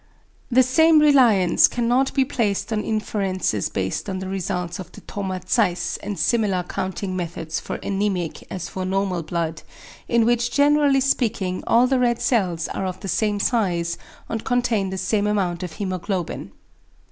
The same reliance cannot be placed on inferences based on the results of the Thoma Zeiss and similar counting methods for anæmic as for normal blood, in which generally speaking all the red cells are of the same size and contain the same amount of hæmoglobin.